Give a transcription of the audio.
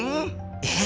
えっ！？